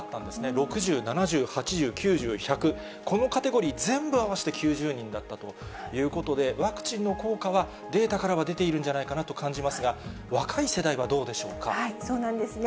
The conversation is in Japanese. ６０、７０、８０、９０、１００、このカテゴリー全部合わせて９０人だったということで、ワクチンの効果はデータからは出ているんじゃないかなと感じますそうなんですね。